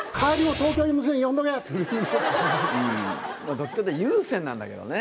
どっちかっていうと有線なんだけどね